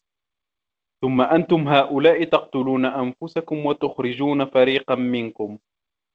ثُمَّ أَنْتُمْ هَٰؤُلَاءِ تَقْتُلُونَ أَنْفُسَكُمْ وَتُخْرِجُونَ فَرِيقًا مِنْكُمْ